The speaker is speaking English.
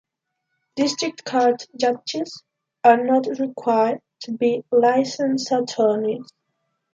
District court judges are not required to be licensed attorneys.